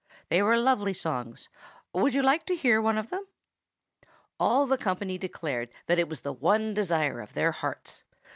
They were lovely songs. Would you like to hear one of them?" All the company declared that it was the one desire of their hearts.